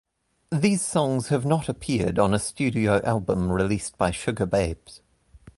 These songs have not appeared on a studio album released by Sugababes.